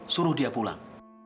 suruh dia pulang